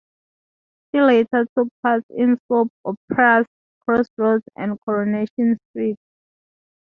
She later took parts in soap operas "Crossroads" and "Coronation Street".